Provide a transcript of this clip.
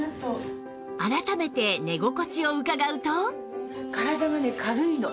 改めて寝心地を伺うと？